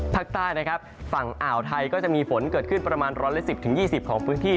ภาคใต้นะครับฝั่งอ่าวไทยก็จะมีฝนเกิดขึ้นประมาณ๑๑๐๒๐ของพื้นที่